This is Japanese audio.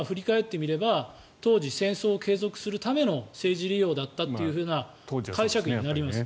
あれも、今振り返ってみれば当時、戦争を継続するための政治利用だったという解釈になります。